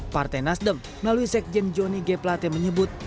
partai nasdem melalui sekjen joni geplate menyebut